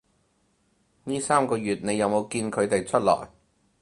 呢三個月你有冇見佢哋出來